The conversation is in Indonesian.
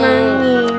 biar ngangguin ibu terus